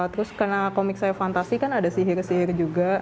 terus karena komik saya fantasi kan ada sihir sihir juga